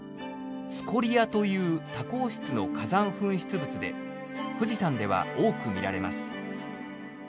「スコリア」という多孔質の火山噴出物で富士山では多く見られます。